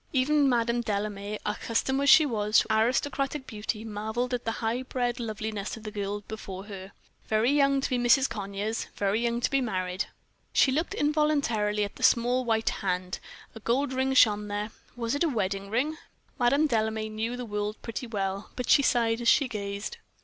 Even Madame Delame, accustomed as she was to aristocratic beauty, marveled at the high bred loveliness of the girl before her. Very young to be Mrs. Conyers very young to be married. She looked involuntarily at the small white hand; a gold ring shone there was it a wedding ring? Madame Delame knew the world pretty well, but she sighed as she gazed.